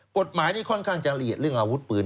กฎหมายนี่ค่อนข้างจะละเอียดเรื่องอาวุธปืน